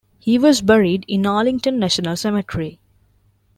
He was buried in Arlington National Cemetery.